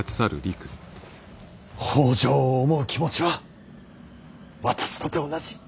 北条を思う気持ちは私とて同じ。